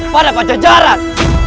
pada panjang jalan